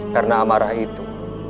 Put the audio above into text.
karena amarah itu